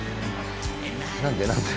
何で何で？